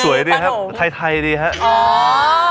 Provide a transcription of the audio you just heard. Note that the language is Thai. ดีครับไทยดีครับ